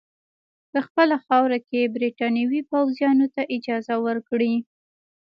په خپله خاوره کې برټانوي پوځیانو ته اجازه ورکړي.